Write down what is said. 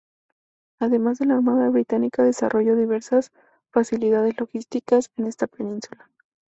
Además la Armada Británica desarrolló diversas facilidades logísticas en esta península.